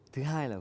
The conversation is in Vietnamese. thứ hai là